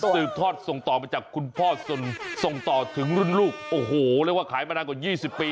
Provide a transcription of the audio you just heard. สืบทอดส่งต่อมาจากคุณพ่อส่งต่อถึงรุ่นลูกโอ้โหเรียกว่าขายมานานกว่า๒๐ปี